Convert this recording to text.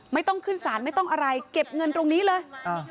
ไม่ต้องขึ้นสารไม่ต้องอะไรเก็บเงินตรงนี้เลย